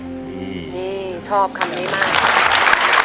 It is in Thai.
นี่ชอบคำนี้มาก